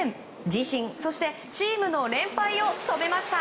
自身、そしてチームの連敗を止めました。